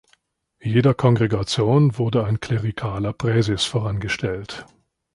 Jeder Kongregation wurde ein klerikaler Präses vorangestellt.